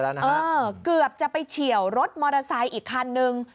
เออเกือบจะไปเฉียวรถมอเตอร์ไซค์อีกคันนึง